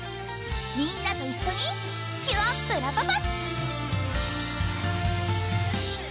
みんなと一緒にキュアップ・ラパパ！